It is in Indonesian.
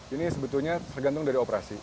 ini sebetulnya tergantung dari operasi